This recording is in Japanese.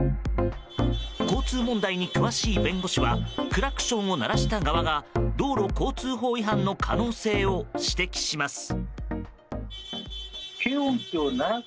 交通問題に詳しい弁護士はクラクションを鳴らした側が道路交通法違反の可能性を指摘します。